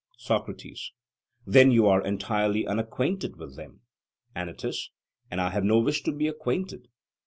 SOCRATES: Then you are entirely unacquainted with them? ANYTUS: And I have no wish to be acquainted.